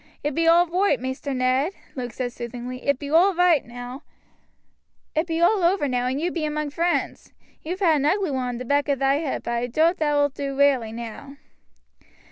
"It be all roight, Maister Ned," Luke said soothingly; "it be all over now, and you be among vriends. Ye've had an ugly one on the back o' thy head, but I dowt thou wilt do rarely now."